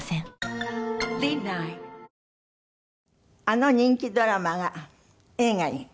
あの人気ドラマが映画に。